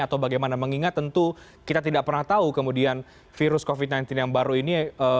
atau bagaimana mengingat tentu kita tidak pernah tahu kemudian virus covid sembilan belas yang baru ini